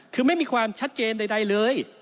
คือไม่มีความชัดเจนใดเลย